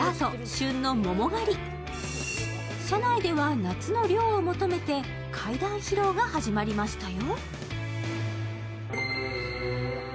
旬の桃狩り、車内では夏の涼を求めて怪談披露が始まりましたよ。